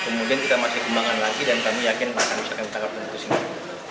kemudian kita masih kembangkan lagi dan kami yakin bahwa kami bisa menangkap penutup singkir